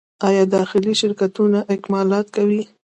آیا داخلي شرکتونه اکمالات کوي؟